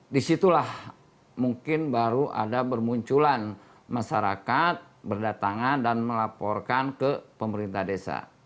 disitulah mungkin baru ada bermunculan masyarakat berdatangan dan melaporkan ke pemerintah desa